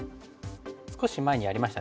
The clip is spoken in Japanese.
少し前にやりましたね。